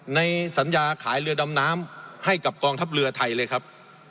ในสัญญาขายเรือดำน้ำให้กับกองทัพเรือไทยเลยครับ